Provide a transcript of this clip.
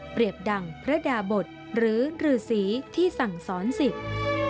ดั่งพระดาบทหรือรือสีที่สั่งสอนสิทธิ์